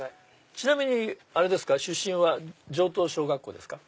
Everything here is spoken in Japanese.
ちなみにあれですか出身は城東小学校ですか？